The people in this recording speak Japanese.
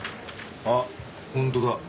あっ本当だ。